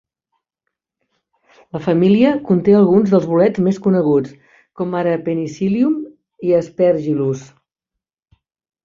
La família conté alguns dels bolets més coneguts, com ara "Penicillium" i "Aspergillus".